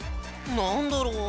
なんだろう？